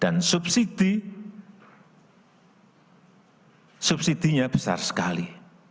dan subsidi subsidinya besar sekali